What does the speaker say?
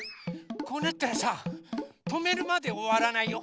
こうなったらさとめるまでおわらないよ。